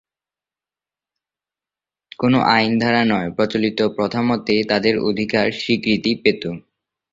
কোনো আইন দ্বারা নয়, প্রচলিত প্রথামতে তাদের অধিকার স্বীকৃতি পেত।